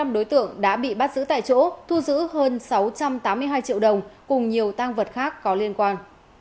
một trăm hai mươi năm đối tượng đã bị bắt giữ tại chỗ thu giữ hơn sáu trăm tám mươi hai triệu đồng cùng nhiều tăng vật khác có liên quan